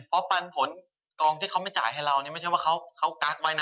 เพราะปันผลกองที่เขาไม่จ่ายให้เรานี่ไม่ใช่ว่าเขากั๊กไว้นะ